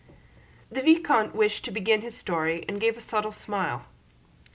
The vicomte wished to begin his story and gave a subtle smile.